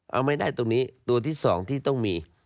เอาไม่ได้ตรงนี้ตัวที่๒ที่ต้องมี